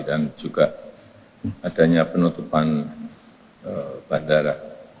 dan juga adanya penutupan bandara